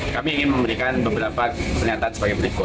kami ingin memberikan beberapa pernyataan sebagai berikut